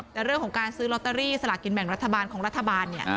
แต่เรื่องของการซื้อลอตเตอรี่สลากินแบ่งรัฐบาลของรัฐบาลเนี่ย